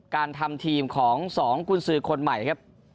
การทำทีมของ๒กุญสือคนใหม่ครับ